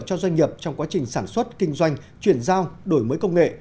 cho doanh nghiệp trong quá trình sản xuất kinh doanh chuyển giao đổi mới công nghệ